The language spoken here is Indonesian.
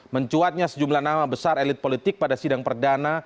mencuatnya sejumlah nama besar elit politik pada sidang perdana